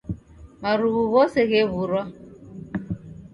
Marughu ghose ghewurwa